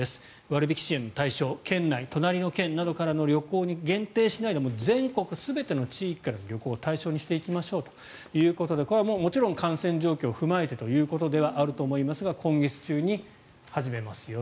割引支援の対象県内、隣の県などからの旅行に限定しないで全国全ての地域からの旅行を対象にしていきましょうとこれはもちろん感染状況を踏まえてということではあると思いますが今月中に始めますよ